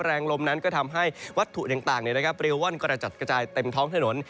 แรงลมนั้นก็ทำให้วัตถุต่างเรียวว่อนกระจัดกระจายเต็มท้องถนน